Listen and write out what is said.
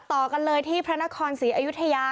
ต่อกันเลยที่พระนครศรีอยุธยา